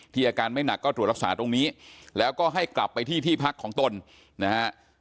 อาการไม่หนักก็ตรวจรักษาตรงนี้แล้วก็ให้กลับไปที่ที่พักของตนนะฮะ